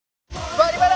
「バリバラ」！